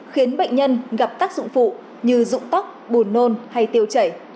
khiến bệnh nhân gặp tác dụng phụ như dụng tóc bùn nôn hay tiêu chảy